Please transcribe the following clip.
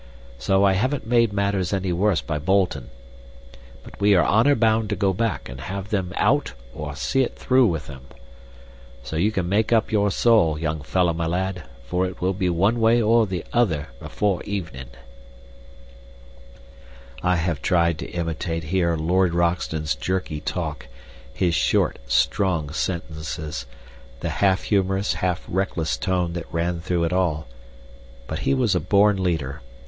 So I haven't made matters any worse by boltin'. But we are honor bound to go back and have them out or see it through with them. So you can make up your soul, young fellah my lad, for it will be one way or the other before evenin'." I have tried to imitate here Lord Roxton's jerky talk, his short, strong sentences, the half humorous, half reckless tone that ran through it all. But he was a born leader.